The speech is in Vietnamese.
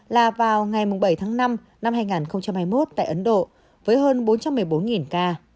là vào ngày bảy tháng năm năm hai nghìn hai mươi một tại ấn độ với hơn bốn trăm một mươi bốn ca